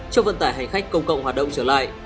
cho vận tải hành khách công cộng hoạt động trở lại